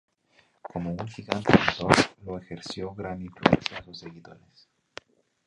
Como un gigante pintor, lo ejerció gran influencia a sus seguidores.